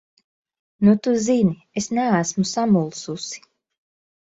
Nu tad zini: es neesmu samulsusi.